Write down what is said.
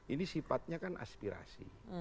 ini sifatnya kan aspirasi